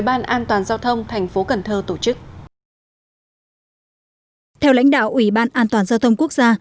ban an toàn giao thông thành phố cần thơ tổ chức theo lãnh đạo ủy ban an toàn giao thông quốc gia